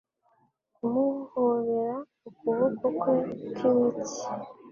Kumuhobera ukuboko kwe kw'imitsi